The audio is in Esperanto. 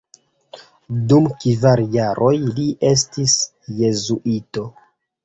Dum kvar jaroj li estis jezuito.